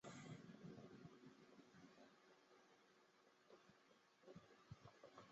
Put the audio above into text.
校史馆仅对上级考察团及友好学校来访团及入学新生团体参观开放。